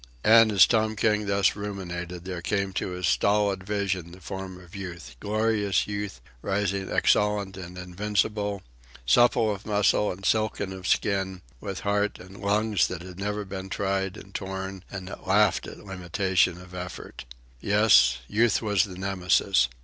And, as Tom King thus ruminated, there came to his stolid vision the form of Youth, glorious Youth, rising exultant and invincible, supple of muscle and silken of skin, with heart and lungs that had never been tired and torn and that laughed at limitation of effort. Yes, Youth was the Nemesis.